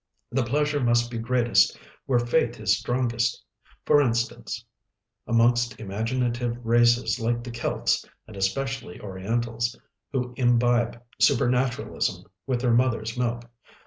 The pleasure must be greatest where faith is strongest; for instance, amongst imaginative races like the Kelts, and especially Orientals, who imbibe supernaturalism with their mothers' milk.